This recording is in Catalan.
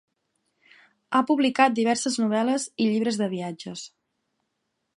Ha publicat diverses novel·les i llibres de viatges.